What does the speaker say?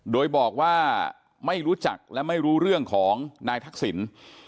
โดยบอกว่าไม่รู้จักและไม่รู้เรื่องของนายทักษิณ